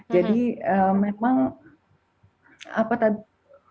jadi memang apa tadi